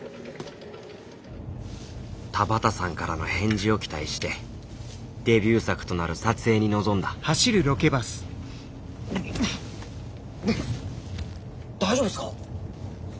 田畑さんからの返事を期待してデビュー作となる撮影に臨んだ大丈夫ですか？